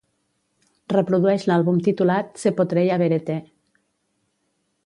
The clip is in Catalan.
Reprodueix l'àlbum titulat Se Potrei Avere Te.